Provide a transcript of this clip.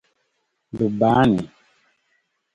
Bɛ baa ni?